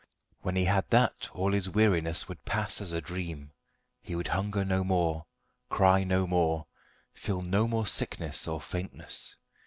When he had that all his weariness would pass as a dream; he would hunger no more, cry no more, feel no more sickness or faintness.